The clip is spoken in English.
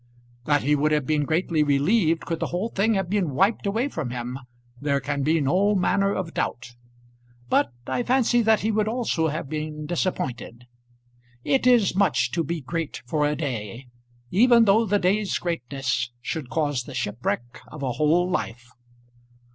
That he would have been greatly relieved could the whole thing have been wiped away from him there can be no manner of doubt; but I fancy that he would also have been disappointed. It is much to be great for a day, even though the day's greatness should cause the shipwreck of a whole life.